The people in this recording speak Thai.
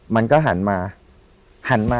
มันก็หันมา